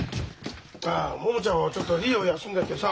あ桃ちゃんはちょっといいよ休んでてさ。